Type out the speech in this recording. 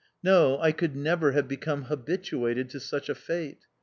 No, I could never have become habituated to such a fate!